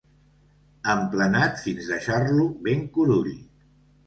Emplenat fins deixar-lo ben curull.